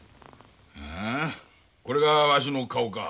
これがわしの顔か。